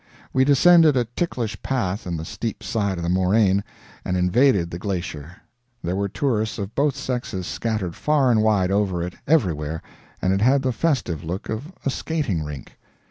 We descended a ticklish path in the steep side of the moraine, and invaded the glacier. There were tourists of both sexes scattered far and wide over it, everywhere, and it had the festive look of a skating rink.